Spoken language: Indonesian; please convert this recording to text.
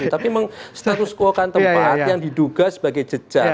tapi menstatuskuokan tempat yang diduga sebagai jejak